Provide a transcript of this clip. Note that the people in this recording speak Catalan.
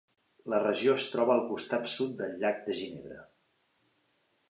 La regió es troba al costat sud del llac de Ginebra.